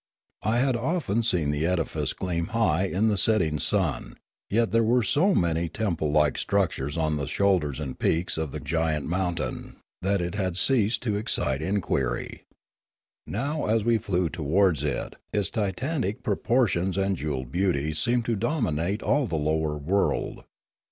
I had often seen the edifice gleam high in the setting sun, yet there were so many temple like structures on the shoulders and peaks of the giant mountain that it had ceased to The Duomovamolan 221 excite inquiry. Now as we flew towards it its titanic proportions and jewelled beauty seemed to dominate all the lower world.